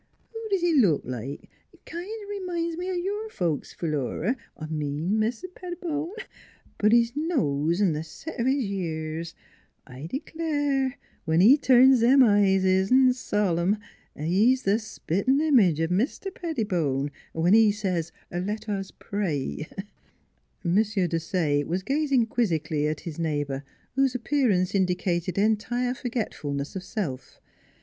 Who does he look like? Kind o' reminds me o' your folks, Philura I mean Mis' Petti bone but his nose an' the set of his years I d'clare, when he turns them eyes o' hisen s' sol emn, he's the spit 'n' image o' Mr. Pettibone, when he says * let us pray.' ' M. Desaye was gazing quizzically at his neighbor, whose appearance indicated entire for getfulness of self.